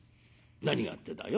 何がってだよ